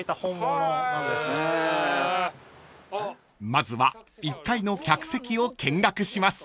［まずは１階の客席を見学します］